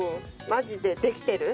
マジでできてる。